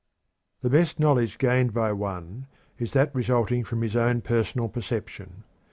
The best knowledge gained by one is that resulting from his own personal perception.